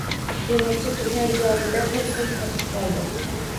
Temirchi turgan joyida bir zum qotib qoldi.